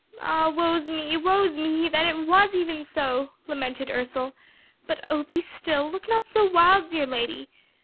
"Ah, woe's me, woe's me, that it was even so," lamented Ursel; "but oh, be still, look not so wild, dear lady.